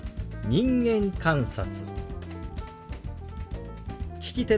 「人間観察」。